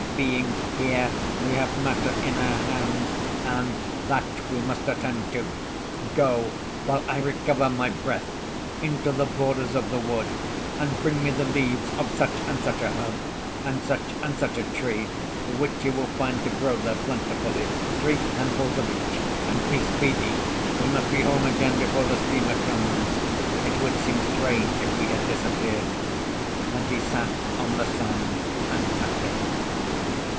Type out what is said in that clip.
"Being here, we have matter in our hands, and that we must attend to. Go, while I recover my breath, into the borders of the wood, and bring me the leaves of such and such a herb, and such and such a tree, which you will find to grow there plentifully—three handfuls of each. And be speedy. We must be home again before the steamer comes; it would seem strange if we had disappeared." And he sat on the sand and panted.